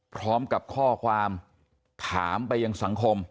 พร้อมกับข้อความถามไปยังสังคม